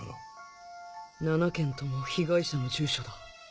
７件とも被害者の住所だ